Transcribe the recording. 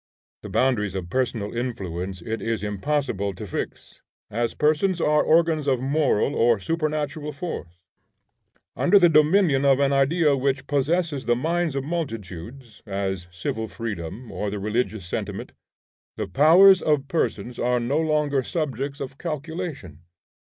The boundaries of personal influence it is impossible to fix, as persons are organs of moral or supernatural force. Under the dominion of an idea which possesses the minds of multitudes, as civil freedom, or the religious sentiment, the powers of persons are no longer subjects of calculation.